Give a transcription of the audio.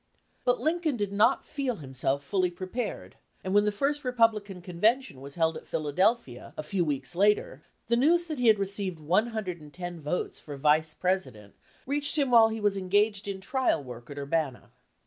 But Lincoln did not feel him self fully prepared, and when the first Repub lican convention was held at Philadelphia, a few 268 LAW IN THE DEBATE weeks later, the news that he had received one hundred and ten votes for Vice President reached him while he was engaged in trial work at Ur bana.